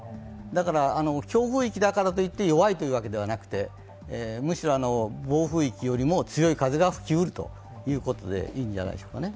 だから強風域だからといって弱いというわけではなくてむしろ暴風域よりも強い風が吹きうるということでいいんじゃないてすかね。